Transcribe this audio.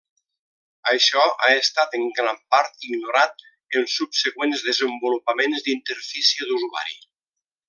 Això ha estat en gran part ignorat en subsegüents desenvolupaments d'interfície d'usuari.